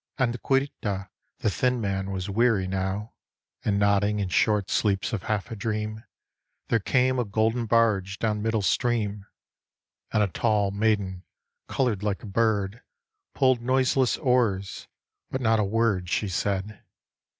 And Caolite, the thin man, was weary now. And nodding in short sleeps of half a dream: There came a golden barge down middle stream. And a tall maiden coloured like a bird Pulled noiseless oars, but not a word she said.